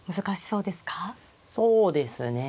そうですね。